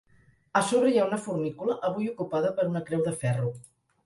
A sobre hi ha una fornícula, avui ocupada per una creu de ferro.